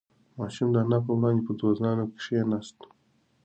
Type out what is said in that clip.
ماشوم د انا په وړاندې په دوه زانو کښېناست.